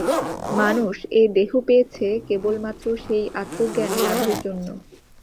মানুষ এ দেহ পেয়েছে কেবলমাত্র সেই আত্মজ্ঞান-লাভের জন্য।